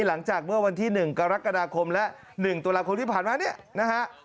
หลังจากเมื่อวันที่๑กรกฎาคมและ๑ตุลาคมที่ผ่านมาเนี่ยนะฮะ